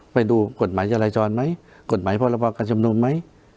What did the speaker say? ไปดูกฎหมายยาลายจรไหมกฎหมายพรวรรภากการชุมนมไหม